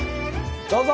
どうぞ！